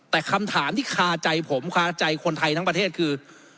แต่คำถามที่คาใจผมคาใจคนไทยทั้งประเทศคือ